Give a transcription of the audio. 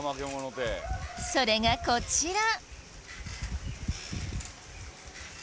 それがこちら。